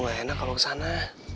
gue ngeenak kalau kesana